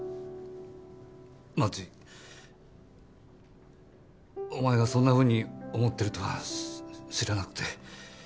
万智お前がそんなふうに思ってるとはし知らなくて。